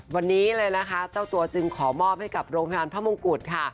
วันนี้เลยนะคะเจ้าตัวจึงขอมอบให้กับโรงพยาบาลพระมงกุฎค่ะ